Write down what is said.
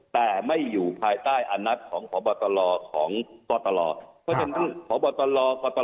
แต่ไม่อยู่ภายใต้อันนัดของขอบตลอของปอตลอ